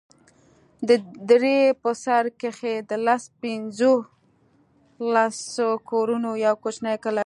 د درې په سر کښې د لس پينځه لسو کورونو يو کوچنى کلى و.